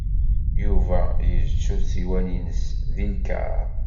Yuba yettu ssiwan-is deg lkar.